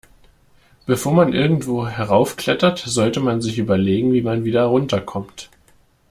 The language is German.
Bevor man irgendwo heraufklettert, sollte man sich überlegen, wie man wieder runter kommt.